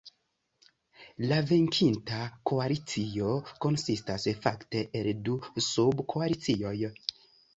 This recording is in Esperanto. La venkinta koalicio konsistas fakte el du subkoalicioj.